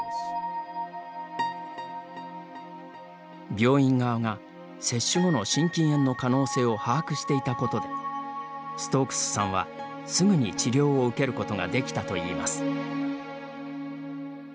病院側が、接種後の心筋炎の可能性を把握していたことでストークスさんは、すぐに治療を受けることができたといいます。